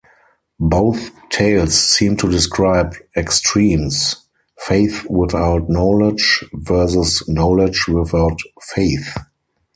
Both tales seem to describe extremes, faith without knowledge versus knowledge without faith.